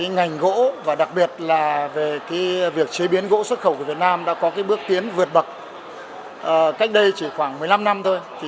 ngành gỗ và đặc biệt là về việc chế biến gỗ xuất khẩu của việt nam đã có bước tiến vượt bậc cách đây chỉ khoảng một mươi năm năm thôi